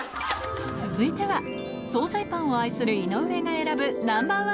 続いては惣菜パンを愛する井上が選ぶナンバー１